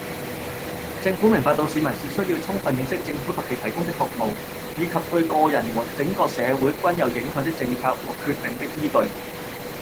政府明白到市民是需要充分認識政府及其提供的服務，以及對個人和整個社會均有影響的政策和決定的依據